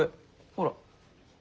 ほら！